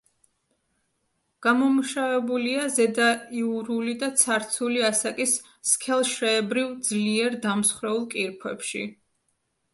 გამომუშავებულია ზედაიურული და ცარცული ასაკის სქელშრეებრივ ძლიერ დამსხვრეულ კირქვებში.